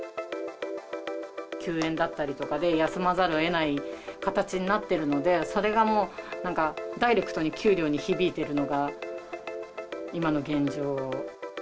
休園だったりとかで、休まざるをえない形になってるので、それがもう、なんか、ダイレクトに給料に響いているのが、今の現状。